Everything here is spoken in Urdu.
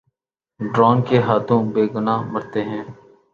ڈرون کے ہاتھوں بے گناہ مرتے ہیں۔